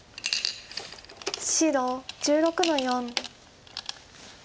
白１６の四。